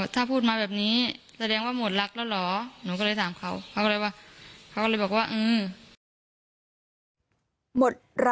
ถ้าพูดมาแบบนี้แสดงว่าหมดรักแล้วเหรอหนูก็เลยถามเขาเขาก็เลยว่าหมดรักแล้วเหรอ